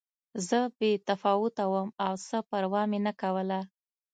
زه بې تفاوته وم او څه پروا مې نه کوله